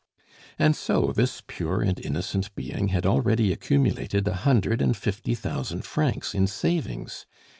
And so this pure and innocent being had already accumulated a hundred and fifty thousand francs in savings.